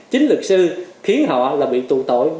chính luật sư khiến họ là bị tù tội